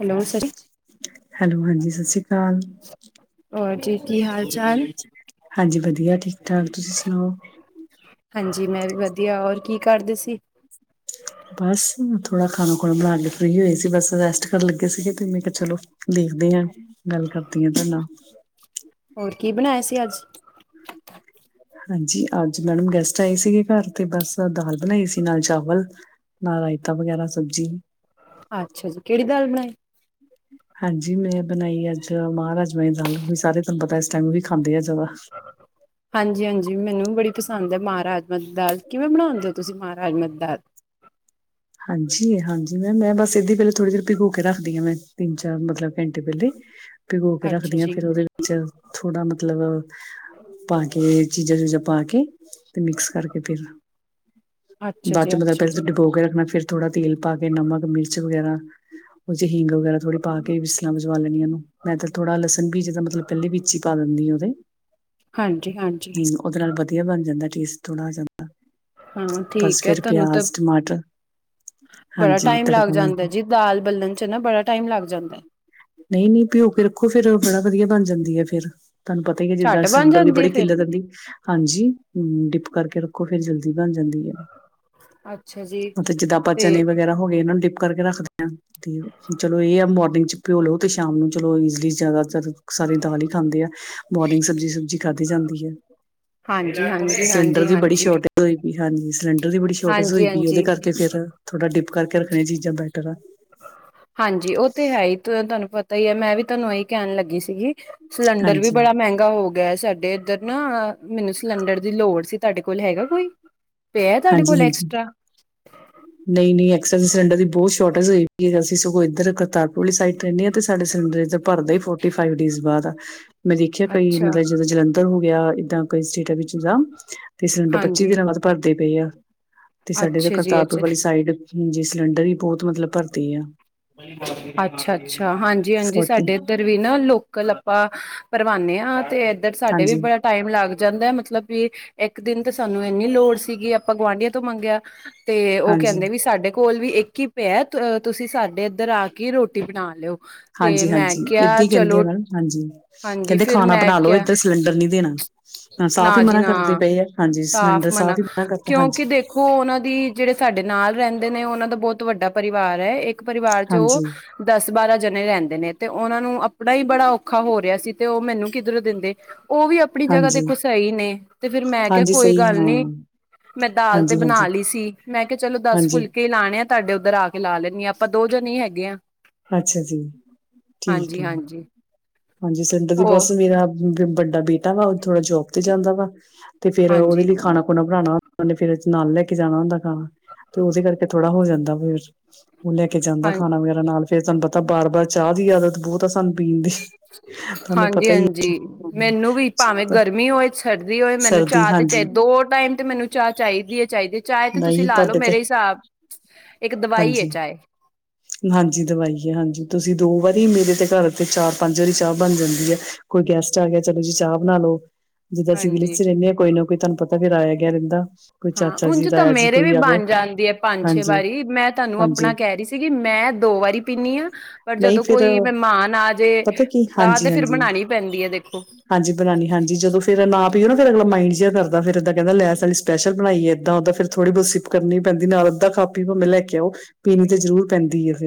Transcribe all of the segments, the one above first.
Hello Shashi hello ਹਾਂਜੀ। ਸਤਿ ਸ਼੍ਰੀ ਅਕਾਲ। ਹੋਰ ਜੀ ਕੀ ਹਾਲ ਚਾਲ ਹਾਂਜੀ ਵਧੀਆ ਠੀਕ ਠਾਕ ਤੁਸੀ ਸੁਣਾਓ ਹਾਂਜੀ, ਮੈਂ ਵੀ ਵਧੀਆ ਔਰ ਕੀ ਕਰਦੇ ਸੀ। ਬਸ ਥੋੜਾ ਖਾਣਾ ਖੁਣਾ ਬਣਾ ਕੇ ਫ੍ਰੀ ਹੋਏ ਸੀ ਬਸ ਰੈਸਟ ਕਰਨ ਲੱਗੇ ਸੀਗੇ ਤੇ ਮੈਂ ਕਿਹਾ ਚਲੋ। ਦੇਖਦੇ ਹਾਂ ਗੱਲ ਕਰਦੀ ਹਾਂ ਤੁਹਾ ਨਾਲ ਹੋਰ ਕੀ ਬਣਾਇਆ ਸੀ ਅੱਜ ਹਾਂਜੀ, ਅੱਜ ਮੈਡਮ ਗੈਸਟ ਆਏ ਸੀਗੇ ਘਰ ਤੇ ਬਸ ਦਾਲ ਬਣਾਈ ਸੀ ਨਾਲ ਚਾਵਲ ਨਾ ਰਾਇਤਾ ਵਗੈਰਾ ਸਬਜ਼ੀ ਅੱਛਾ ਜੀ ਕਿਹੜੀ ਦਾਲ ਬਣਾਈ। ਹਾਂਜੀ, ਮੈਂ ਬਣਾਈ ਅੱਜ ਮਹ ਰਾਜਮਾਂ ਦੀ ਦਾਲ ਵੀ ਸਾਰੇ ਤੁਹਾਨੂੰ ਪਤਾ ਇਸ ਟਾਈਮ ਉਹ ਵੀ ਖਾਂਦੇ ਆ ਜ਼ਿਆਦਾ। ਚ ਹਾਂਜੀ ਹਾਂਜੀ, ਮੈਨੂੰ ਬੜੀ ਪਸੰਦ ਹੈ ਮਹਾਰ ਰਾਜਮਹ ਦੀ ਦਾਲ ਕਿਵੇਂ ਬਣਾਉਂਦੇ ਹੋ ਤੁਸੀਂ ਮਹਾਰ ਰਾਜਮਾਂ ਦੀ ਦਾਲ ਹਾਂਜੀ ਹਾਂਜੀ, ਮੈਮ ਮੈਂ ਬਸ ਇਦੀ ਪੇਲੇ ਥੋੜੀ ਦੇਰ ਭਿਗੂ ਕੇ ਰੱਖਦੀ ਹਾਂ ਮੈਂ ਤਿੰਨ ਚਾਰ ਮਤਲਬ ਘੰਟੇ ਪਹਿਲੇ [unintelligible] ਭਿਗੋ ਕੇ ਅੱਛਾ ਰੱਖਦੀਆਂ ਜੀ ਫੇਰ ਉਹਦੇ ਵਿੱਚ ਥੋੜ੍ਹਾ ਮਤਲਬ ਪਾ ਕੇ ਚੀਜਾਂ ਚੂਜਾਂ ਪਾ ਕੇ ਤੇ ਮਿਕਸ ਕਰਕੇ ਫਿਰ ਅੱਛਾ ਬਾਅਦ ਚ ਜੀ ਮਤਲਬ ਅੱਛਾ ਜੀ ਪਹਿਲਾਂ ਡਿਬੋ ਕੇ ਰੱਖਣਾ ਫਿਰ ਥੋੜਾ ਤੇਲ ਪਾ ਕੇ ਨਮਕ ਮਿਰਚ ਵਗੈਰਾ। ਉਹ ਚ ਹਿੰਗ ਵਗੈਰਾ ਥੋੜ੍ਹੀ ਪਾ ਕੇ ਵੀਿਸਸਲਾਾਂ ਵਜਵਾ ਲੈਂਦੀ ਉਹਨੂੰ ਮੈਂ ਤਾਂ ਥੋੜਾ ਲਸਣ ਵੀ ਜਿੱਦਾਂ ਮਤਲਬ ਪਹਿਲੀ ਬੀਚੀ ਪਾ ਦਿੰਦੀ ਉਹਦੇ। ਹਾਂਜੀ- ਹਾਂਜੀ ਉਹਦੇ ਨਾਲ ਵਧੀਆ ਬਣ ਜਾਂਦਾ ਟੇਸਟ ਥੋੜ੍ਹਾ ਆ ਜਾਂਦਾ ਹਾਂ ਬਸ ਠੀਕ ਹੈ ਫਿਰ ਤੁਹਾਨੂੰ ਤਾਂ ਪਿਆਜ਼ ਟਮਾਟਰ ਬੜਾ ਹਾਂਜੀ ਟਾਈਮ ਲੱਗ ਤੜਕਾ ਲਾ ਜਾਂਦਾ ਕੇ ਜੀ ਦਾਲ ਬਲਣ 'ਚ ਨਾ ਬੜਾ ਟਾਈਮ ਲੱਗ ਜਾਂਦਾ ਨਹੀ- ਨਹੀ ਭਿਓ ਕੇ ਰੱਖੋ ਫੇਰ ਬੜਾ ਵਧੀਆ ਬਣ ਜਾਂਦੀ ਹੈ ਫ਼ਿਰਰ ਤੁਹਾਨੂੰ ਪਤਾ ਪ ਹੈ ਜਿੱਦਾਂ ਝੱਟ ਬਣ ਸਿਲੰਡਰ ਦੀ ਜਾਂਦੀ ਹੈ ਬੜੀ ਫਿਰ ਕਿੱਲਤ ਹੁੰਦੀ। ਹਾਂਜੀ, ਡਿਪ ਕਰਕੇ ਰੱਖੋ ਫਿਰ ਜਲਦੀ ਬਣ ਜਾਂਦੀ ਹੈ। ਅੱਛਾ, ਜੀ ਉਥੇ ਜਿੱਦਾਂ ਆਪਾਂ ਤੇ ਚਨ ਵਗੈਰਾ ਹੋ ਗਏ ਇਹਨਾਂ ਨੂੰ ਡਿਪ ਕਰਕੇ ਰੱਖਦੇ ਹਾਂ। ਤੇ ਚਲੋ ਇਹ ਆ ਮੋਰਨਿੰਗ ਚ ਭਿਓਲੋ ਤੇ ਸ਼ਾਮ ਨੂੰ ਚਲੋ ਈਜ਼ਲੀ ਜ਼ਿਆਦਾਤਰ। ਸਾਰੇ ਦਾਲ ਹੀ ਖਾਂਦੇ ਆ ਬੋਰਨਿੰਗ ਸਬਜ਼ੀ ਸੁਬਜੀ ਖਾਧੀ ਜਾਂਦੀ ਹੈ। ਹਾਂਜੀ ਹਾਂਜੀ, ਸਿਲੰਡਰ ਹਾਂਜੀ ਦੀ ਬੜੀ ਹਾਂਜੀ। ਸ਼ੋਰਟੇਜ ਹੋਈ ਪਈ ਹਾਂਜੀ ਸਿਲੰਡਰ ਦੀ ਬੜੀ ਸ਼ੋਰਟੇਜ ਹਾਂਜੀ ਹੋਈ ਪਈ ਉਹਦੇ ਹਾਂਜੀ ਕਰਕੇ। ਤੇ ਫੇਰ ਥੋੜਾ ਡਿਪ ਕਰਕੇ ਰੱਖਣੀਆਂ ਚੀਜ਼ਾਂ ਬੈਟਰ ਆ। ਹਾਂਜੀ, ਉਹ ਤੇ ਹੈ ਹੀ ਤੁਹਾਨੂੰ ਪਤਾ ਹੀ ਹੈ ਮੈਂ ਵੀ ਤੁਹਾਨੂੰ ਇਹੀ ਕਹਿਣ ਲੱਗੀ ਸੀਗੀ। ਸਿਲੰਡਰ ਵੀ ਹਾਂਜੀ ਬੜਾ ਮਹਿੰਗਾ ਗਾ ਹੋ ਗਿਆ ਸਾਡੇ ਇੱਧਰ ਨਾ ਮੈਨੂੰ ਸਿਲੰਡਰ ਦੀ ਲੋੜ ਸੀ ਤੁਹਾਡੇ ਕੋਲ ਹੈਗਾ ਕੋਈ। ਪ ਤੁਹਾਡੇ ਹਾਂਜੀ ਕੋਲ ਹਾਂਜੀ ਐਕਸਟਰਾ। ਨਹੀਂ ਨਹੀਂ ਐਕਸਟਰਾ ਸਿਲੰਡਰ ਦੀ ਬਹੁਤ ਸ਼ੋਰਟੇਜ ਹੋਏ ਵੀ ਹੈਗਾ ਸੀ। ਸੀ ਸਗੋਂ ਇੱਧਰ ਕਰਤਾਰਪੁਰ ਵਾਲੀ ਸਾਈਡ ਰਹਿੰਨੀ ਆ ਤੇ ਸਾਡੇ ਸਿਲੰਡਰ ਇੱਧਰ ਭਰਦਾ ਹੀ ਫੋਰਟੀ ਫਾਈਵ ਡੇਜ਼ ਬਾਅਦ ਆ। ਮੈਂ ਦੇਖਿਆ ਕਈ ਅੱਛਾ ਮਤਲਬ ਜਿੱਦਾਂ ਜਲੰਧਰ ਹੋ ਗਿਆ ਇਏਦਾਂ ਕਈ ਸਟੇਟਾਂ ਵਿੱਚਾਂ ਤੇ ਸਿਲੰਡਰ ਪੱਚੀ ਹਾਂਜੀ ਦਿਨਾਂ ਬਾਅਦ ਭਰਦੇ ਪਏ ਆ ਤੇ ਸਾਡੇ ਤਾਂ ਅੱਛਾ ਜੀ ਕਰਤਾਰ ਅੱਛਾ ਸਾਈਡ ਜੇ ਸਿਲੰਡਰ ਹੀ ਬਹੁਤ ਮਤਲਬ ਭਰਦੀ ਆ। ਅੱਛਾ ਅੱਛਾ ਹਾਂਜੀ ਹਾਂਜੀ ਸਾਡੇ ਇੱਧਰ ਵੀ ਨਾ ਲੋਕਲ ਆਪਾਂ ਪਰਵਾੇ ਹਾਂ ਤੇ ਇੱਧਰ ਸਾਡੇ ਵੀ ਹਾਂਜੀ ਬੜਾ ਟਾਈਮ ਲੱਗ ਜਾਂਦਾ ਮਤਲਬ ਵੀ। ਇੱਕ ਦਿਨ ਤਾਂ ਸਾਨੂੰ ਇੰਨੀ ਲੋੜ ਸੀਗੀ ਆਪਾਂ ਗੁਆਂਢੀਆਂ ਤੋਂ ਮੰਗਿਆ ਤੇ ਉਹ ਹਾਂਜੀ ਕਹਿੰਦੇ ਵੀ ਸਾਡੇ ਕੋਲ ਵੀ ਇੱਕ ਹੀ ਪਿਆ ਤੁਸੀਂ ਸਾਡੇ ਇੱਧਰ ਆ ਕੇ ਰੋਟੀ ਬਣਾ ਲਿਓ। ਤੇ ਹਾਂਜੀ ਮੈਂ ਹਾਂਜੀ ਕਿਹਾ ਇਦਾਂ ਹੀ ਕਹਿੰਦੇ ਚਲੋ ਆ ਮੈਡਮ ਹਾਂਜੀ ਹਾਂਜੀ ਕਹਿੰਦੇ ਫਿਰ ਖਾਣਾ ਮੈਂ ਬਣਾ ਲਓ ਕਿਹਾ। ਇੱਧਰ ਸਿਲੰਡਰ ਨਹੀਂ ਦੇਣਾ ਹਾਂ, ਸਾਫ਼ ਹੀ ਨਾ ਜੀ ਮਨਾ ਨਾ ਕਰਦੇ ਪਏ ਆ ਹਾਂਜੀ ਸਾਫ਼ ਸਿਲੰਡਰ ਮਨਾ ਹੀ ਕਰਦੇ ਹਾਂਜੀ ਕਿਉਂਕਿ ਦੇਖੋ। ਉਹਨਾਂ ਦੀ ਜਿਹੜੇ ਸਾਡੇ ਨਾਲ ਰਹਿੰਦੇ ਨੇ ਉਹ ਉਹਨਾਂ ਦਾ ਬਹੁਤ ਵੱਡਾ ਪਰਿਵਾਰ ਹੈ। ਇੱਕ ਪਰਿਵਾਰ ਚ ਉਹ ਹਾਂਜੀ ਦਸ-ਬਾਰਾਂ ਜਣੇ ਰਹਿੰਦੇ ਨੇ ਤੇ, ਉਹਨਾਂ ਨੂੰ ਆਪਣਾ ਹੀ ਬੜਾ ਔਖਾ ਹੋ ਰਿਹਾ ਸੀ, ਤੇ ਉਹ ਮੈਨੂੰ ਕਿੱਧਰੋ ਦਿੰਦੇ। ਉਹ ਵੀ ਆਪਣੀ ਜਗ੍ਹਾ ਹਾਂਜੀ ਦੇਖੋ ਸਹੀ ਨੇ, ਤੇ ਫਿਰ ਮੈਂ ਕਿਹਾ ਹਾਂਜੀ, ਕੋਈ ਸਹੀ ਗੱਲ ਨੀ। ਹਾਂ, ਮੈਂ ਦਾਲ ਤੇ ਹਾਂਜੀ-ਹਾਂਜੀ, ਬਣਾਲੀ ਸੀ, ਮੈਂ ਕਿਹਾ ਚਲੋ ਦਸ ਹਾਂਜੀ, ਹਾਂਜੀ। ਫੁਲਕੇ ਲਾਣੇ ਆ, ਤੁਹਾਡੇ ਉੱਧਰ ਆਕੇ ਲਾ ਲੈਂਨੀ ਹਾਂ, ਆਪਾਂ ਦੋ ਜਣੇ ਈ, ਹੈਗੇ ਆਂ। ਅੱਛਾ ਜੀ, ਠੀਕ ਐ, ਹਾਂਜੀ ਹਾਂਜੀ, ਸਡੇ ਦੀ ਹੋ ਬਸ ਵੀਰਾ ਬੱਡਾ ਬੇਟਾ ਵਾ ਉਹ ਥੋੜਾ ਜੋਬ ਤੇ ਜਾਂਦਾ ਵਾ, ਤੇ ਫਿਰ ਉਹਦੇ ਹਾਂਜੀ ਲਈ ਖਾਣਾ-ਖੁਣਾ ਬਣਾਉਣਾ ਉਹਨੇ ਫਿਰ ਨਾਲ ਲੈਕੇ ਜਾਣਾ ਹੁੰਦਾ ਖਾਣਾ, ਤੇ ਉਹਦੇ ਕਰਕੇ ਥੋੜ੍ਹਾ ਹੋ ਜਾਂਦਾ ਫਿਰ। ਉਹ ਲੈਕੇ ਜਾਂਦਾ ਹਾਂ ਖਾਣਾ ਵਗੈਰਾ ਨਾਲ, ਫਿਰ ਸਾੰਨੂਂ ਪਤਾ, ਬਾਰ-ਬਾਰ ਚਾਹ ਦੀ ਆਦਤ ਬਹੁਤ ਆ ਸਾਨੂੰ ਪੀਣ ਦੀ। ਤੁਹਾਨੂੰ ਪਤਾ ਈ ਹਾਂਜੀ-ਹਾਂਜੀ ਐ, ਮੈਨੂੰ ਵੀ। ਚਾਹ ਭਾਵੇਂ ਤਾਂ ਗਰਮੀ ਹੋਏ, ਸਰਦੀ ਹੋਏ ਮੈਨੂੰ ਸਰਦੀ ਚਾਹ ਤੇ ਚਾਹੇ ਹਾਂਜੀ, ਦੋ ਟਾਈਮ ਤੇ, ਮੈਨੂੰ ਚਾਹ ਚਾਹੀਦੀ ਹੈ, ਚਾਹੀਦੀ। ਚਾਏ ਤੇ ਤੁਸੀਂ ਨਹੀਂ ਲਾ ਲਓ ਤੁਹਾਡੇ ਤੇ ਮੇਰੇ ਹਿਸਾਬ, ਇੱਕ ਦਵਾਈ ਹੈ ਹਾਂਜੀ। ਚਾਏ। ਹਾਂਜੀ, ਦਵਾਈ ਹੈ ਹਾਂਜੀ, ਤੁਸੀਂ ਦੋ ਵਾਰੀ ਮੇਰੇ ਤੇ ਘਰ ਤੇ, ਚਾਰ-ਪੰਜ ਵਾਰੀ ਚਾਹ ਬਣ ਜਾਂਦੀ ਹੈ। ਕੋਈ ਗੈਸਟ ਆਗਿਆ ਚਲੋ ਜੀ, ਚਾਹ ਬਣਾਲੋ। ਜਿੱਦਾਂ ਅਸੀ ਹਾਂਜੀ ਵਿਲੇਜ'ਚ ਰਹਿੰਦੇ ਹਾਂ ਕੋਈ ਨਾ ਕੋਈ ਤੁਹਾਨੂੰ ਪਤਾ ਫਿਰ ਆਇਆ-ਗਿਆ ਰਹਿੰਦਾ, ਕੋਈ ਹਾਂ ਚਾਚਾ ਜੀ ਉਝ ਤਾਂ ਤਾਇਆ ਜੀ ਮੇਰੇ ਵੀ ਕੋਈ ਆ ਗਿਆ ਬਣ ਜਾਂਦੀ ਹੈ, ਪੰਜ-ਛੇ ਹਾਂਜੀ ਵਾਰੀ ਮੈਂ ਤੁਹਾਨੂੰ ਹਾਂਜੀ ਆਪਣਾ ਕਹਿ ਰਹੀ ਸੀਗੀ ''ਮੈਂ ਦੋ ਵਾਰੀ ਪੀਂਦੀ ਹਾਂ ਪਰ ਨਹੀਂ ਜਦੋਂ ਫਿਰ ਕੋਈ ਮਹਿਮਾਨ ਆਜੇ ਪਤਾ ਕੀ ਤਾਂ, ਤੇ ਹਾਂਜੀ ਫਿਰ ਹਾਂਜੀ ਬਣਾਣੀ ਪੈਂਦੀ ਹੈ ਦੇਖੋ। ਹਾਂਜੀ ਬਣਾਣੀ, ਹਾਂਜੀ ਜਦੋਂ ਫਿਰ ਨਾ ਪੀਓ ਨਾ, ਫਿਰ ਅਗਲਾ ਮਾਈੰਡ ਜਾ ਕਰਦਾ, ਫਿਰ ਇਹਦਾ ਕਹਿੰਦਾ ਲੈ ਸਾਡ ਸਪੈਸ਼ਲ ਬਣਾਈ ਏ, ਇਦਾਂ ਓਦਾਂ ਫਿਰ ਥੋੜੀ ਬਹੁਤ ਸਿਪ ਕਰਨੀ ਪੈਂਦੀ, ਨਾਲ ਅੱਧਾ ਕੱਪ ਹੀ ਭਾਵੇਂ ਲੈਕੇ ਆਉ, ਪੀਣੀ ਤੇ ਜ਼ਰੂਰ ਪੈਂਦੀ ਹੈ ਫਿਰ।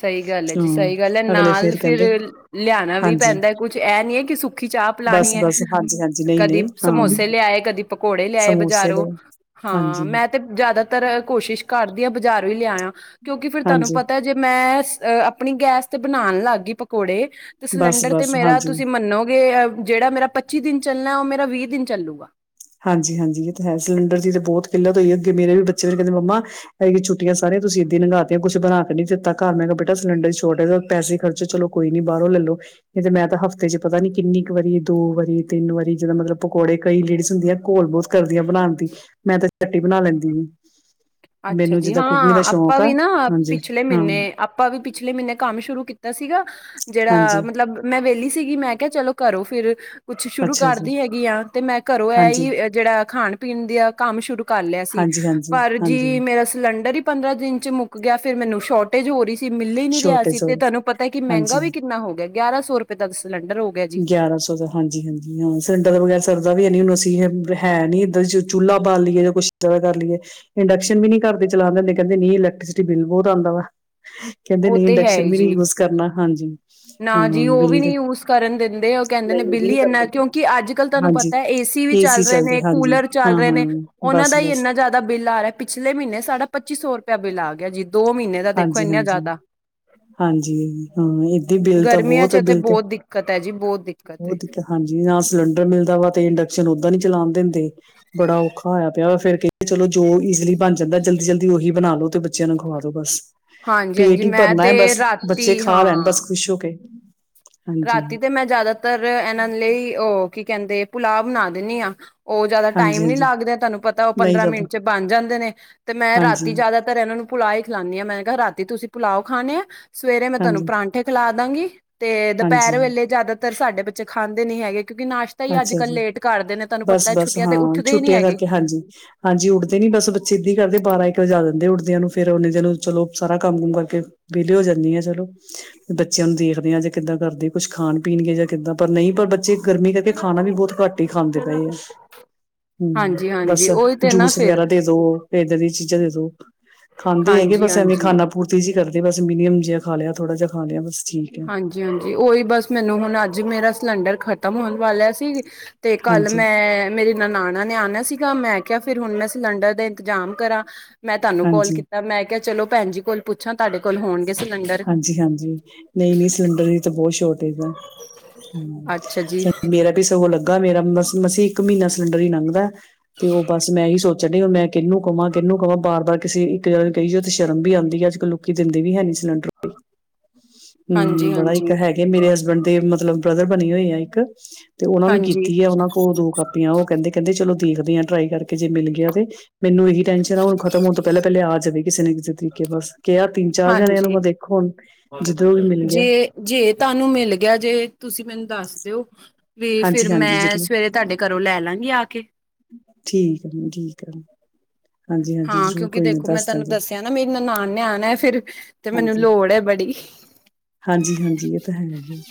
ਸਹੀ ਗੱਲ ਹੈ ਜੀ, ਹਾਂ ਸਹੀ ਗੱਲ ਹੈ। ਅਗਲੇ ਨਾਲ ਫੇਰ ਫਿਰ ਕਹਿੰਦੇ ਲਿਆਣਾ ਵੀ ਹਾਂਜੀ ਪੈਂਦਾ ਕੁਛ, ਐ ਨਹੀ ਹੈ, ਕਿ ਸੁ ਖੀ ਚਾਹ ਪਿਲਾਣੀ ਹੈ, ਬਸ-ਬਸ ਹਾਂਜੀ-ਹਾਂਜੀ ਕਦੀ ਨਹੀਂ-ਨਹੀਂ ਹਾਂ ਸਮੋਸੇ ਲਿਆਏ, ਕਦੀ ਪਕੌੜੇ ਲਿਆਏ ਸਮੋਸੇ ਨੇ ਬਜ਼ਾਰੋਂ। ਹਾਂ। ਮੈਂ, ਹਾਂਜੀ-ਹਾਂਜੀ ਤੇ ਜ਼ਿਆਦਾਤਰ ਕੋਸ਼ਿਸ਼ ਕਰਦੀ ਹਾਂ ਬਜ਼ਾਰੋਂ ਈ ਲਿਆਇਆ, ਕਿਉਂਕਿ ਫਿਰ ਤੁਹਾਨੂੰ ਪਤਾ ਜੇ ''ਮੈਂ ਅ--ਆਪਣੀ ਗੈਸ ਤੇ ਬਣਾਉਣ ਲੱਗ ਗਈ ਪ ਕੋੜੇ, ਤੇ ਸਿਲੰਡਰ ਤੇ ਬਸ-ਬਸ ਮੇਰਾ ਤੁਸੀਂ ਮੰਨੋਗੇ ਜਿਹੜਾ ਮੇਰਾ ਪੱਚੀ ਦਿਨ ਚੱਲਣਾ, ਉਹ ਮੇਰਾ ਵੀਹ ਦਿਨ ਚੱਲੂਗਾ। ਹਾਂਜੀ-ਹਾਂਜੀ, ਇਹ ਤਾ ਹੈ, ਸਿਲੰਡਰ ਦੀ ਤੇ ਬਹੁਤ ਕਿੱਲਤ ਹੋਈ ਹੈ। ਅੱਗੇ ਮੇਰੇ ਵੀ ਬੱਚੇ ਵੀੇ ਕਹਿੰਦੇ 'ਮੰਮਾ' ਐਦਕੀ ਛੁੱਟੀਆਂ ਸਾਰੀਆਂ ਤੁਸੀਂ ਇਹਦਾਂ ਲੰਘਾਤੀਆਂ ਕੁਛ ਬਣਾਕੇ ਨਹੀਂ ਦਿੱਤਾ ਘਰ, ਮੈਂ ਕਿਹਾ ਬੇਟਾ ਸਿਲੰਡਰ ਦੀ ਸ਼ੌਟੇਜ ਏ, ਪੈਸੇ ਈ ਖਰਚ ਚਲੋ ਕੋਈ ਨੀ ਬਾਹਰੋਂ ਲੱਲੋ। ਨਹੀਂ ਤੇ ਮੈਂ ਤਾਂ ਹਫ਼ਤੇ'ਚ ਪਤਾ ਨੀ ਕਿੰਨੀ ਕੁ ਵਾਰੀ, ਦੋ-ਵਾਰੀ, ਤਿੰਨ-ਵਾਰੀ ਜਿਦਾਂ ਮਤਲਬ ਪਕੌੜੇ, ਕਈ ਲੇੜੀ ਹੁੰਦੀਆਂ, ਘੋਲ ਬਹੁਤ ਕਰਦੀਆਂ ਬਣਾਣ ਦੀ, ਮੈਂ ਤਾਂ ਝੱਟ ਈ ਬਣਾ ਲੈਂਦੀ ਏ। ਅੱਛਾ ਜੀ, ਹਾਂ। ਆਪਾ ਸ਼ੌਕ ਆ ਵੀ ਨਾ ਹਾਂਜੀ ਪਿਛਲੇ ਹਾਂ ਮਹੀਨੇ, ਆਪਾ ਵੀ ਪਿਛਲੇ ਮਹੀਨੇ ਕੰਮ ਸ਼ੁਰੂ ਕੀਤਾ ਸੀਗਾ, ਜਿਹੜਾ ਹਾਂਜੀ ਮਤਲਬ ਮੈਂ ਵਿਹਲੀ ਸੀਗੀ, ਮੈਂ ਕਿਹਾ ਚਲੋ ਘਰੋ ਫਿਰ ਕੁਛ ਸ਼ੁਰੂ ਅੱਛਾ ਜੀ ਕਰਦੀ ਹੈਗੀ ਆਂ, ਤੇ ਮੈਂ ਘਰੋਂ ਐ ਹਾਂਜੀ ਹੀ ਜਿਹੜਾ ਖਾਣ-ਪੀਣ ਦਾ ਕੰਮ ਸ਼ੁਰੂ ਕਰਲਿਆ ਸੀ, ਹਾਂਜੀ-ਹਾਂਜੀ, ਪਰ ਹਾਂਜੀ ਜੀ ਹਾਂਜੀ। ਮੇਰਾ ਸਿਲੰਡਰ ਹੀ ਪੰਦਰਾਂ ਦਿਨ'ਚ ਮੁੱਕ ਗਿਆ, ਫਿਰ ਮੈਨੂੰ ਸ਼ੌਟੇਜ ਹੋ ਰਹੀ ਮਿੱਲੀ ਹੀ ਨੀ ਰਿਹਾ ਛੋਟੇ ਸੀ, ਸੋ ਤੇ ਤੁਹਾਨੂੰ ਪਤਾ ਕਿ ਮਹਿੰਗਾ ਹਾਂਜੀ ਵੀ ਕਿੰਨਾ ਹੋ ਗਿਆ, ਗਿਆਰਾਂ-ਸੌ ਰੁਪਏ ਤੱਕ ਸਿਲੰਡਰ ਹੋ ਗਿਆ ਜੀ ਗਿਆਰਾਂ-ਸੌ ਦਾ। ਹਾਂਜੀ-ਹਾਂਜੀ, ਹਾਂ ਸਿਲੰਡਰ ਤੋ ਬਗੈਰ ਸਰਦਾ ਵੀ ਹੈਨੀ, ਹੁਣ ਅਸੀਂ ਹੈ ਨੀ ਇੱਧਰ ਜੋ ਚੁੱਲਾ ਬਾਲ ਲੀਏ ਯਾ ਕੁਛ ਜਿਆਦਾ ਕਰ ਲੀਏ, ਇੰਡਕਸ਼ਨ ਵੀ ਨੀ ਘਰਦੇ ਚਲਾਣ ਦਿੰਦੇ, ਕਹਿੰਦੇ ਨਹੀਂ ਇਲੈਕਟ੍ਰੀਸਿਟੀ ਬਿੱਲ ਬਹੁਤ ਆਉਂਦਾ ਵਾ। ਕਹਿੰਦੇ ਉਹ ਨਹੀਂ। ਇੰਡਕਸ਼ਨ ਵੀ ਨੀ ਯੂਜ ਕਰਨਾ, ਹਾਂਜੀ। ਹਾਂ ਨਾਂ-ਜੀ, ਉਹ ਵੀ ਬਿੱਲ ਨਹੀਂ ਦੇ ਯੂਜ ਕਰਨ ਦਿੰਦੇ ਕਹਿੰਦੇ ਨੇ ਨਹੀਂ ਉਹ ਵੀ ਬਿੱਲ ਨੀ ਈ ਇੰਨਾ, ਕਰਦੇ ਕਿਉਂਕਿ ਅੱਜ-ਕੱਲ ਤੁਹਾਨੂੰ ਹਾਂਜੀ ਪਤਾ ਏ, ਏਸੀ ਵੀ ਚੱਲ ਰਹੇ ਚੱਲਦੇ ਨੇ, ਹਾਂਜੀ ਕੂਲਰ ਚੱਲ ਰਹੇ ਹਾਂ-ਹਾਂ ਨੇ ਉਹਨਾਂ ਦਾ ਹੀ ਬਸ-ਬਸ ਇੰਨਾ ਜ਼ਿਆਦਾ ਬਿੱਲ ਆ ਰਿਹਾ। ਪਿਛਲੇ ਮਹੀਨੇ ਸਾਡਾ ਪੱਚੀ-ਸੌ ਰੁਪਇ ਬਿੱਲ ਆਗਿਆ ਜੀ, ਦੋ ਮਹੀਨੇ ਦਾ ਦੇਖੋ ਇੰਨਾ ਹਾਂਜੀ-ਹਾਂਜੀ, ਜ਼ਿਆਦਾ ਹਾਂਜੀ-ਹਾਂ, ਏਦੀ ਬਿੱਲ ਤਾਂ ਬਹੁਤ, ਬਿੱਲ ਤੇ ਕਤਾ ਜੀ ਬਹੁਤ ਦਿੱਕਤ ਹੈ। ਉਹ, ਹਾਂਜੀ ਨਾ ਸਿਲੰਡਰ ਮਿਲਦਾ ਵਾ, ਤੇ ਇੰਡਕਸ਼ਨ ਓਦਾਂ ਨੀ ਚਲਾਉਣ ਦਿੰ ਦੇ, ਬੜਾ ਔਖਾ ਹੋਇਆ ਇਆ ਵਾ, ਫਿਰ ਕਹਿ ਚਲੋ, ਜੋ ਈਜੀਲੀ ਬਣ ਜਾਂਦਾ, ਜਲਦੀ-ਜਲਦੀ ਉਹੀ ਬਣਾਲੋ- ਤੇ ਬੱਚਿਆਂ ਨੂੰ ਖਵਾਦੋ ਬਸ। ਹਾਂਜੀ ਪੇਟ ਹਾਂਜੀ ਹੀ ਮੈਂ ਭਰਨਾ ਐ, ਤੇ ਬਸ। ਰਾਤੀ ਬੱਚੇ ਖਾ ਲੈਣ ਬਸ ਖ਼ੁਸ਼ ਹੋਕੇ। ਰ੍ਹਾਤੀ ਤੇ ਮੈਂ ਜ਼ਿਆਦਾਤਰ ਇਹਨਾਂ ਲਈ, ਉਹ, ਕੀ ਕਹਿੰਦੇ ਪੁਲਾਵ ਬਣਾ ਦਿੰਨੀ ਆਂ। ਉਹ ਜ਼ਿਆਦਾ ਟਾਈਮ ਹਾਂਜੀ ਨੀ ਹਾਂਜੀ ਲੱਗਦੇ, ਤੁਹਾਨੂੰ ਪਤਾ ਉਹ ਨਹੀਂ ਪੰਦਰਾਂ ਜਾਂਦਾ ਮਿੰਟ'ਚ ਬਣ ਜਾਂਦੇ ਨੇ, ਤੇ ਮੈਂ ਹਾਂਜੀ ਰ੍ਹਾਤੀ ਜਿਆਦਾ ਘਰੇ ਏਹਨਾਂ ਨੂੰ ਪੁਲਾਅ ਈ ਖਿਲਾਣੀ ਆ, ਮੈਂ ਕਿਹਾ ਰਾਤੀ ਤੁਸੀਂ ਪੁਲਾ ਖਾਣੇ ਐ, ਸਵੇਰੇ ਮੈਂ ਤੁਹਾਨੂੰ ਹਾਂਜੀ ਪਰਾਂਠੇ ਖਲਾ ਦਾਂਗੀ, ਤੇ ਹਾਂਜੀ ਦੁਪਹਿਰ ਵੇਲੇ ਜ਼ਿਆਦਾਤਰ ਸਾਡੇ ਬੱਚੇ ਖਾਂਦੇ ਨੀ ਹੈਗੇ, ਕਿਉਂਕਿ ਨਾਸ਼ ਅੱਛਾ ਜੀ, ਬਸ ਬਸ ਤੇ ਹਾਂ, ਉੱਠਦੇ ਹੀ ਨੀ ਛੁੱਟੀਆਂ ਹੈਗੇ ਕਰਕੇ ਹਾਂਜੀ। ਹਾਂਜੀ ਉੱਠਦੇ ਨੀ ਬਸ ਬੱਚੇ, ਏਦਾਂ ਹੀ ਕਰਦੇ ਬਾਰਾਂ ਇੱਕ ਵਜਾ ਦਿੰਦੇ, ਉੱਠ ਦਿਆਂ ਫਿਰ ਉਹਨੇ ਦੇਰ ਨੂੰ ਚਲੋ, ਸਾਰਾ ਕੰਮ ਕੁਮ ਕਰਕੇ ਵੇਅਲੇ ਹੋ ਜਾਂਣੀ ਆ ਚਲੋ। ਬੱਚਿਆਂ ਨੂੰ ਦੇਖਦੇ ਆ, ਜੇ ਕਿੱਦਾਂ ਕਰਦੇ? ਕੁਛ ਖਾਣ ਪੀਣਗੇ ਜਾਂ ਕਿੱਦਾਂ, ਪਰ ਨਈ ਪਰ ਬੱਚੇ ਗਰਮੀ ਕਰ ਕਰਕੇ ਖਾਣਾ ਵੀ ਬੌਹਤ ਘੱਟ ਹੀ ਖਾਂਦੇ ਪਏ ਆ। ਹੂੰ, ਹਾਂਜੀ ਹਾਂਜੀ ਬਸ ਉਹੀ ਤੇ ਨਾ ਜੂਸ ਫਿਰ ਵਗੈਰਾ ਦੇ ਦੋ, ਏਦਾ ਦੀਆਂ ਚੀਜ਼ਾਂ ਦੇ ਦੋ। ਖਾਂਦੇ ਹੈਗੇ, ਹਾਂਜੀ ਬਸ ਐਵੇਂ ਹਾਂਜੀ ਖਾਨਾ ਪੂਰਤੀ ਜਿਹੀ ਕਰਦੇ, ਬਸ ਮਿਨੀਅਮ ਜਿਹਾ ਖਾ ਲਿਆ, ਥੋੜਾ ਜਿਹਾ ਖਾ ਲਿਆ ਬਸ ਠੀਕ। ਹੈ ਹਾਂਜੀ-ਹਾਂਜੀ, ਉਹੀ ਬਸ ਮੈਨੂੰ, ਹੁਣ ਅੱਜ ਮੇਰਾ ਸਿਲੰਡਰ ਖਤਮ ਹੋਣ ਵਾਲਾ ਸੀ, ਤੇ ਕੱਲ ਹਾਂਜੀ ਮੈਂ ਮੇਰੇ ਨਨਾਣਾ ਨੇ ਆਣਾ ਸੀਗਾ, ਮੈਂ ਕਿਹਾ ਫਿਰ ਹੁਣ ਮੈਂ ਸਿਲੰਡਰ ਦਾ ਇੰਤਜ਼ਾਮ ਕਰਾਂ। ਮੈਂ ਤੁਆਨੂੰ ਕਾਲ ਹਾਂਜੀ ਕੀਤਾ, ਮੈਂ ਕਿਹਾ ਚਲੋ ਭੈਣ ਜੀ ਕੋਲ ਪੁੱਛਾਂ, ਤੁਹਾਡੇ ਕੋਲ ਹੋਣਗੇ ਸਿਲੰਡਰ? ਹਾਂਜੀ-ਹਾਂਜੀ, ਨਈ-ਨਈ ਸਿਲੰਡਰ ਦੀ ਤਾਂ ਬਹੁਤ ਸ਼ੋਰਟੇਜ ਐ। ਹੂੰ, ਅੱਛਾ ਜੀ। ਸ ਮੇਰਾ ਸੀ ਸਗੋਂ ਲੱਗਾ ਮੇਰਾ, ਮਸੀ-ਮਸੀ ਇੱਕ ਮਹੀਨਾ ਸਿਲੰਡਰ ਹੀ ਲੰਘਦਾ ਏ। ਤੇ ਉਹ ਬਸ ਮੈਂ ਇਹੀ ਸੋਚਣ ਡਈ ਅ, ਹੁਣ ਮੈਂ ਕਿਹਨੂੰ ਕਵਾਂ, ਕਿਹਨੂੰ ਕਵਾਂ? ਬਾਰ-ਬਾਰ ਕਿਸੇ ਇੱਕ ਜਾਣੇ ਨੂੰ ਕਹੀ ਜਾਓ, ਤੇ ਸ਼ਰਮ ਵੀ ਆਉਦੀ ਆ ਅੱਜ ਕੱਲ ਲੋਕੀਂ ਦਿੰਦੇ ਵੀ ਹੈ ਨੀ ਸਿਲੰਡਰ ਕੋਈ, ਹੂੰ ਬੜਾ ਹੀ ਇੱਕ ਹਾਂਜੀ-ਹਾਂਜੀ, ਹੈ ਗਾ, ਮੇਰੇ ਹਸਬੈਂਡ ਦੇ ਮਤਲਬ ਬ੍ਰਦਰ ਬਣੀ ਹੋਏ ਆ ਇੱਕ, ਤੇ ਉਹਨਾ ਨੂੰ ਕੀਤੀ ਹੈ, ਉਹਨਾਂ ਉਹ ਦੋ ਕਾਪੀਆਂ, ਉਹ ਕਹਿੰਦੇ, ਕਹਿੰਦੇ ਚਲੋ ਦੇਖਦੇ ਆ ਟਰਾਈ ਕਰਕੇ, ਜੇ ਮਿਲ ਗਿਆ ਤੇ। ਮੈਨੂੰ ਇਹੀ ਟੈਨਸ਼ਨ ਆ, ਹੁਣ ਖਤਮ ਹੋਣ ਤੋਂ ਪਹਿਲੇ-ਪਹਿਲੇ ਆ ਜਾਵੇ, ਕਿਸੇ ਨੇ ਕਿਸੇ ਤਰੀਕੇ ਬਸ, ਕਿਹਾ ਤਿੰਨ ਚਾਰ ਜਾਣੇਆਂ ਨੂੰ ਵਾਂ। ਦੇਖੋ ਹੁਣ? ਜਿੱਧਰੋਂ ਵੀ ਮਿਲ ਗਿਆ ਜੇ-ਜੇ ਤੁਆਨੂੰ ਮਿਲ ਗਿਆ ਜੇ, ਤੁਸੀਂ ਮੈਨੂੰ ਦੱਸ ਦਿਓ। ਵੀ, ਫਿਰ ਹਾਂਜੀ ਹਾਂਜੀ ਮੈਂ ਜ਼ਰੂਰ ਸਵੇਰੇ ਤੁਆਡੇ ਘਰੋਂ ਲੈ ਲਾਂਗੀ ਆ ਕੇ। ਠੀਕ [unintelligible] ਠੀਕ ਆ। ਹਾਂ ਕਿਉਂਕਿ ਦੇਖੋ ਮੈਂ ਤੁਆਨੂੰ ਦਾਂਗੇ, ਦੱਸਿਆ ਨਾ, ਮੇਰੀ ਨਨਾਣ ਨੇ ਆਣਾ ਏ ਫਿਰ। ਤੇ ਮੈਨੂੰ ਹਾਂਜੀ। ਲੋੜ ਏ ਬੜੀ। ਹਾਂਜੀ-ਹਾਂਜੀ ਔਹ ਤਾਂ ਹੈ ਈ ਐ।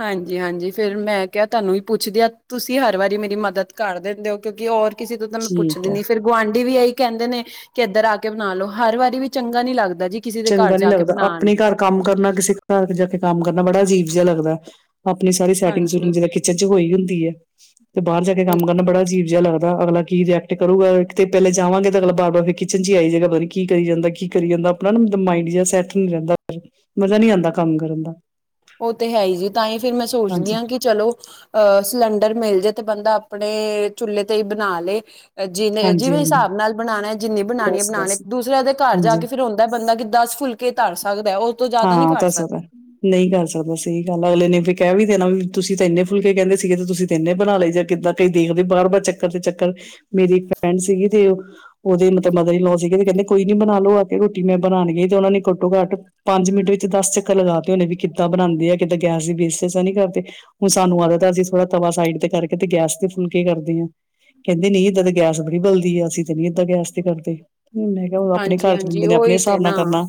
ਹਾਂਜੀ-ਹਾਂਜੀ ਫਿਰ ਮੈਂ ਕਿਆ, ਤੁਹਾਨੂੰ ਵੀ ਪੁੱਛਦੀ ਆ, ਤੁਸੀਂ ਹਰ ਵਾਰੀ ਮੇਰੀ ਮਦਦ ਕਰ ਦਿੰਦੇ ਔ, ਕਿਉਂਕਿ ਔਰ ਕਿਸੇ ਤੋਂ ਤਾਂ ਮੈਂ ਠੀਕ ਪੁੱਛਦੀ ਐ। ਨੀ, ਫਿਰ ਗੁਆਂਢੀ ਵੀ ਏਹੀ ਕਹਿੰਦੇ ਨੇ, ਕਿ ਏਧਰ ਆ ਕੇ ਬਣਾ ਲੋ, ਹਰ ਵਾਰੀ ਵੀ ਚੰਗਾ ਨੀ ਲੱਗਦਾ ਜੀ। ਕਿਸੇ ਦੇ ਘਰ ਚੰਗਾ ਨੀ ਜਾ ਕੇ ਲੱਗਦਾ, ਬਣਾਣ ਆਪਣੇ ਘਰ ਕੰਮ ਕਰਨਾ, ਕਿਸੇ ਘਰ ਜਾ ਕੇ ਕੰਮ ਕਰਨਾ ਬੜਾ ਅਜੀਬ ਜਿਹਾ ਲੱਗਦਾ ਏ, ਆਪਣੀ ਸਾਰੀ ਸੈਟਿੰਗ ਹਾਂਜੀ ਸੁੂਟਿੰਗ ਜਿਦ ਕਿਚਨ ਹੋਈ ਹੁੰਦੀ ਹੈ। ਤੇ ਬਾਹਰ ਜਾ ਕੇ ਉਹ ਕੰਮ ਕਰਨਾ ਬੜਾ ਅਜੀਬ ਜਿਹਾ ਲੱਗਦਾ, ਅਗਲਾ ਕੀ ਰਿਐਕਟ ਕਰੂਗਾ, ਇੱਕ ਤੇ ਪਹਿਲੇ ਜਾਵਾਂਗੇ, ਤੇ ਅਗਲਾ ਬਾਰ-ਬਾਰ ਫਿਰ ਕਿਚਨ ਚ ਆਈ ਜਾਏਗਾ, ਪਤਾ ਨੀ ਕੀ ਕਰੀ ਜਾਂਦਾ? ਕੀ ਕਰੀ ਜਾਂਦਾ? ਅਪਨਾ ਨਾ ਮਾਈੰਡ ਜਿਹਾ ਸੈੱਟ ਨੀ ਰਹਿੰਦਾ ਫਿਰ, ਮਜ਼ਾ ਨਹੀਂ ਆਂਦਾ ਕੰਮ ਕਰਨ ਦਾ। ਉਹ ਤੇ ਹੈ ਹੀ ਜੇ, ਤਾਂ ਈ ਫਿਰ ਮੈਂ ਸੋਚਦੀ ਹਾਂਜੀ, ਆ ਕਿ ਚਲੋ ਅਹ ਸਲੰਡਰ ਮਿਲ ਜੇ, ਤੇ ਬੰਦਾ ਆਪਣੇ ਚੁੱਲੇ ਤੇ ਹੀ ਬਣਾ ਲਏ। ਜਿਨੇ ਜਿਵੇਂ ਹਾਂਜੀ-ਹਾਂਜੀ, ਹਿਸਾਬ ਨਾਲ ਬਣਾਉਣਾ ਏ, ਜਿੰਨੀ ਬਣਾਣੀ ਏ, ਬਣਾ ਲੈ, ਬਸ-ਬਸ, ਦੂਸਰਿਆ ਦੇ ਘਰ ਜਾ ਹਾਂਜੀ। ਕੇ ਫਿਰ ਦਾ ਬੰਦਾ ਕਿ ਦਸ ਫੁਲਕੇ ਈ ਧਰ ਸਕਦਾ ਏ, ਉਹ ਤੋਂ ਜ਼ਿਆਦਾ ਨਹੀਂ ਕਰ ਸਕਦਾ ਨਈ ਕਰ ਸਕਦਾ ਸਹੀ ਗੱਲ ਐ, ਅਗਲੇ ਨੇ ਫੇਰ ਕਹਿ ਵੀ ਦੇਣਾ ਵੀ, ਤੁਸੀਂ ਤੇ ਇੰਨੇ ਫੁਲਕੇ ਕਹਿੰਦੇ ਸੀਗੇ, ਤੇ ਤੁਸੀਂ ਤ ਇਨੇ ਬਣਾ ਲਏ ਜੇ, ਕਿੱਦਾਂ ਕਈ ਦੇਖਦੇ, ਬਾਰ-ਬਾਰ ਚੱਕਰ ਤੇ ਚੱਕਰ, ਮੇਰੀ ਇੱਕ ਫਰੈਂਡ ਸੀਗੀ, ਤੇ ਉਹ ਉਹਦੇ ਮਤਲਬ ਮਦਰ ਇਨ ਲੋ ਸੀਗੇ, ਤੇ ਕਹਿੰਦੇ ਕੋਈ ਨੀ ਬਣਾ ਲੋ, ਆ ਤੇ ਰੋਟੀ ਮੈਂ ਬਣਾਉਣ ਗਈ, ਤੇ ਉਹਨਾ ਨੇ ਘੱਟੋ ਘੱਟ ਪੰਜ ਮਿੰਟ ਵਿੱਚ ਦਸ ਚੱਕਰ ਲਗਾ ਤੇ ਉਹਨੇ ਵੀ, ਕਿੱਦਾਂ ਬਣਾਉਂਦੇ ਆ, ਕਿਤੇ ਗੈਸ ਦੀ ਬੇਸਸ ਤਾਂ ਨਹੀਂ ਕਰਦੇ। ਹੁਣ ਸਾਨੂੰ ਆਦਤ ਏ, ਅਸੀਂ ਥੋੜ੍ਹਾ ਤਵਾ ਸਾਈਡ ਤੇ ਕਰਕੇ ਤੇ ਗੈਸ ਦੇ ਫੁਲਕੇ ਕਰਦੇ ਹਾਂ। ਕਹਿੰਦੇ ਨਈ, ਏਦਾਂ ਦੇ ਗੈਸ ਬੜੀ ਬਲਦੀ ਹੈ, ਅਸੀਂ ਤੇ ਨੀ ਏਦਾਂ ਗੈਸ ਤੇ ਕਰਦੇ, ਮੈਂ ਕਿਹਾ ਆਪਣੇ ਘਰ ਚ ਬੰਦੇ ਹਾਂਜੀ-ਹਾਂਜੀ ਨੇ ਆਪਣੇ ਓਹੀ ਤੇ ਹਿਸਾਬ ਨਾਲ ਨਾ ਕਰਨਾ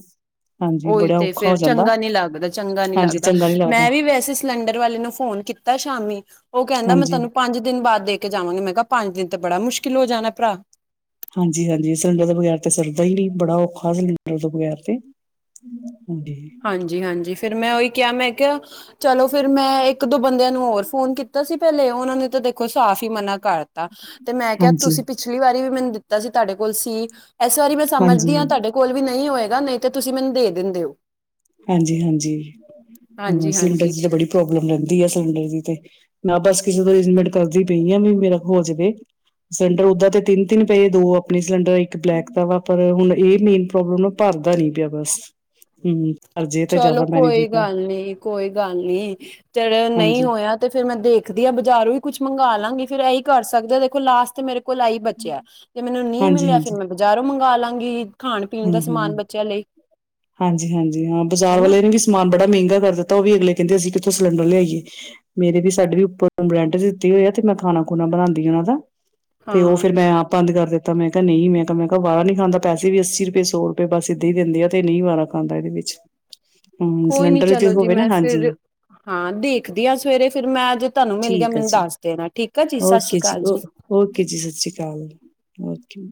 ਹਾਂਜੀ ਉਹੀ ਬੜਾ ਤੇ ਔਖਾ ਹੋ ਫੇਰ, ਜਾਂਦਾ ਚੰਗਾ ਨਈ ਲੱਗਦਾ, ਚੰਗਾ ਨਈ ਹਾਂਜੀ ਲੱਗਦਾ। ਚੰਗਾ ਨੀ ਲੱਗਦਾ ਮੈਂ ਵੀ ਵੈਸੇ ਸਿਲੰਡਰ ਵਾਲੇ ਨੂੰ ਫੋਨ ਕੀਤਾ ਸ਼ਾਮੀ, ਉਹ ਕਹਿੰਦਾ ਮੈਂ ਹਾਂਜੀ। ਤੁਆਨੂੰ ਪੰਜ ਦਿਨ ਬਾਅਦ ਦੇ ਦੇ ਕੇ ਜਾਵਾਂਗੇ, ਮੈਂ ਕਿਹਾ ਪੰਜ ਦਿਨ ਤੇ ਬੜਾ ਮੁਸ਼ਕਿਲ ਹੋ ਜਾਣਾ ਭਰਾ। ਹਾਂਜੀ- ਹਾਂਜੀ ਸਿਲੰਡਰ ਦੇ ਬਗੈਰ ਤੇ ਸਰਦਾ ਹੀ ਨਹੀਂ, ਬੜਾ ਔਖਾ ਹੁੰਦਾ ਸਿਲੰਡਰ ਬਗੈਰ ਤੇ। ਹਾਂਜੀ। ਹਾਂਜੀ- ਹਾਂਜੀ, ਫਿਰ ਮੈਂ ਉਹੀ ਕਿਹਾ, ਮੈਂ ਕਿਹਾ ਚਲੋ ਫਿਰ ਮੈਂ ਇੱਕ ਦੋ ਬੰਦਿਆਂ ਨੂੰ ਹੋਰ ਫੋਨ ਕੀਤਾ ਸੀ ਪਹਿਲੇ, ਉਹਨਾਂ ਨੇ ਤਾਂ ਦੇਖੋ ਸਾਫ਼ ਹੀ ਮਨਾ ਕਰ ਤਾ ਤੇ ਮੈਂ ਕਿਹਾ ਹਾਂਜੀ ਤੁਸੀਂ ਪਿਛਲੀ ਵਾਰੀ ਵੀ ਮੈਨੂੰ ਦਿੱਤਾ ਸੀ, ਤੁਹਾਡੇ ਕੋਲ ਸੀ। ਇਸ ਵਾਰੀ ਮੈਂ ਹਾਂਜੀ ਸਮਝਦੀ ਆਂ, ਤੁਹਾਡੇ ਕੋਲ ਵੀ ਨਹੀਂ ਹੋਏਗਾ, ਨਹੀਂ ਤਾਂ ਤੁਸੀਂ ਮੈਨੂੰ ਦੇ ਦਿੰਦੇ ਹੋ। ਹਾਂਜੀ- ਹਾਂਜੀ, ਹਾਂ ਹਾਂਜੀ ਸਿਲੰਡਰ ਹਾਂਜੀ ਦੀ ਤਾਂ ਬੜੀ ਪ੍ਰੋਬਲਮ ਰਹਿੰਦੀ ਆ ਸਿਲੰਡਰ ਦੀ ਤੇ, ਮੈਂ ਬਸ ਕਿਸੇ ਤੋਂ ਅਰੇਂਜਮੈਂਟ ਕਰਦੀ ਪਈ ਆ, ਵੀ ਮੇਰਾ ਹੋ ਜਾਵੇ। ਸਿਲੰਡਰ ਓਦਾਂ ਤੇ ਤਿੰਨ- ਤਿੰਨ ਪਏ, ਦੋ ਆਪਣੇ ਸਿਲੰਡਰ, ਇੱਕ ਬਲੈਕ ਦਾ ਵਾ, ਪਰ ਹੁਣ ਇਹ ਮੇਨ ਪ੍ਰੋਬਲਮ ਨਾ ਭਰਦਾ ਨੀ ਪਿਆ ਬਸ, ਹੂੰ। ਚਲੋ ਕੋਈ ਗੱਲ ਨੀ, ਕੋਈ ਗੱਲ ਨੀ, ਜਦੋ ਨਹੀਂ ਹਾਂਜੀ ਹੋਇਆ। ਤੇ ਫੇਰ ਮੈਂ ਦੇਖਦੀ ਆਂ, ਬਜ਼ਾਰੋਂ ਹੀ ਕੁਛ ਮੰਗਾਂ ਲਾਂਗੀ, ਫੇਰ ਇਹੀ ਕਰ ਸਕਦਾ ਆ, ਦੇਖੋ ਲਾਸਟ ਤੇ ਮੇਰੇ ਕੋਲ ਆਹੀ ਬਚਿਆ, ਤੇ ਮੈਨੂੰ ਨਈ ਹਾਂਜੀ ਮਿਲਿਆ, ਫਿਰ ਹਾਂਜੀ ਮੈਂ ਬਜ਼ਾਰੋਂ ਮੰਗਾਲਾਂਗੀ। ਖਾਣ- ਪੀਣ ਦਾ ਸਮਾਨ ਬੱਚਿਆਂ ਲਈ। ਹਾਂਜੀ- ਹਾਂਜੀ ਹਾਂ, ਬਾਜ਼ਾਰ ਹਨਾ ਵਾਲੇ ਨੇ ਵੀ ਸਮਾਨ ਬੜਾ ਮਹਿੰਗਾ ਕਰ ਦਿੱਤਾ, ਉਹ ਵੀ ਅਗਲੇ ਕਹਿੰਦੇ ਅਸੀਂ ਕਿੱਥੋਂ ਸਿਲੰਡਰ ਲਿਆਈਏ। ਮੇਰੇ ਵੀ ਸਾਡੇ ਵੀ ਉੱਪਰ ਉਹਨਾਂ ਨੂੰ ਰੈਂਟ ਦਿੱਤੀ ਹੋਈ ਆ, ਉੱਥੇ ਮੈਂ ਖਾਣਾ ਖੁਣਾ ਬਣਾਂਦੀ ਆਂ ਉਹਨਾਂ ਦਾ। ਤੇ ਉਹ ਹਾਂ ਫਿਰ ਮੈਂ ਆਪ ਬੰਦ ਕਰ ਦਿੱਤਾ, ਮੈਂ ਕਿਹਾ ਨਹੀਂ ਮੈਂ ਕਿਹਾ ਮੈਂ ਕਿਹਾ ਵਾਰਾ ਨੀ ਖਾਂਦਾ ਪਿਆ, ਪੈਸੇ ਵੀ ਅਸੀਂ ਤੀਹ ਰੁਪਏ ਸੌ ਰੁਪਏ ਬਸ ਏਦਾਂ ਹੀ ਦਿੰਦੀ ਆ, ਤੇ ਨਹੀਂ ਵਾਰਾ ਖਾਂਦਾ ਇਹਦੇ ਵਿੱਚ। ਹੂੰ, ਕੋਈ ਨੀ ਸਿਲੰਡਰ ਵਿੱਚ ਚਲੋ ਜੀ ਹੋਵੇ ਨਾ, ਮੈਂ ਹਾਂਜੀ। ਫਿਰ ਹਾਂ, ਦੇਖਦੀ ਹਾਂ ਸਵੇਰੇ ਫਿਰ ਮੈਂ ਜੇ ਤੁਹਾਨੂੰ ਮਿਲ ਗਿਆ, ਠੀਕ ਆ ਮੈਨੂੰ ਜੀ ਦੱਸ ਦੇਣਾ ਠੀਕ ਆ ਜੀ, ਸਸ ਰੀ ਓਕੇ ਕਾਲ ਓ ਜੀ। ਓਕੇ ਜੀ, ਸਸ ਰੀ ਕਾਲ, ਓਕੇ।